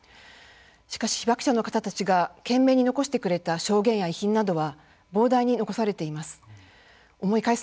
しかし、被爆者の方たちが懸命に残してくれた証言や遺品などは膨大に残されています。